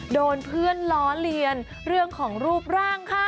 โดนเพื่อนล้อเลียนเรื่องของรูปร่างค่ะ